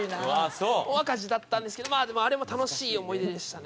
大赤字だったんですけどでもあれも楽しい思い出でしたね。